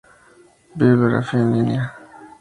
Bibliografía en línea.